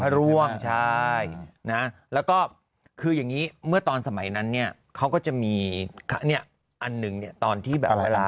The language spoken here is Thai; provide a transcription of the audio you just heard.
ร่วมใช่นะแล้วก็คืออย่างนี้เมื่อตอนสมัยนั้นเนี่ยเขาก็จะมีอันหนึ่งเนี่ยตอนที่แบบเวลา